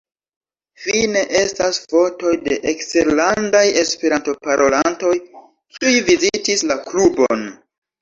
Fine estas fotoj de eksterlandaj Esperanto-parolantoj kiuj vizitis la klubon.